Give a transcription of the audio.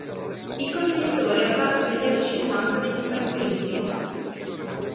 Il contenitore è apparso negli anni cinquanta negli Stati Uniti.